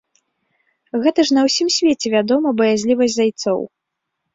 Гэта ж на ўсім свеце вядома баязлівасць зайцоў.